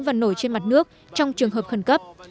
và nổi trên mặt nước trong trường hợp khẩn cấp